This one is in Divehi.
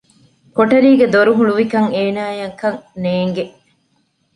ކޮޓަރީގެ ދޮރުހުޅުވިކަން އޭނާއަކަށް ނޭގެ